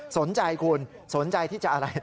สนใจคุณสนใจที่จะด่า